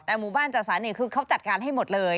แต่หมู่บ้านจัดสรรนี่คือเขาจัดการให้หมดเลย